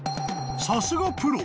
［さすがプロ！